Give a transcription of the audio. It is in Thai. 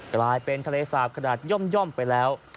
กลายเป็นทะเลสาบขนาดย่อมไปแล้ว